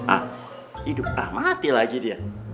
ah hidup ah mati lagi dia